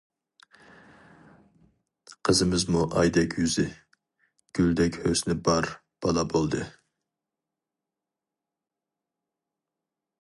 قىزىمىزمۇ ئايدەك يۈزى، گۈلدەك ھۆسنى بار بالا بولدى.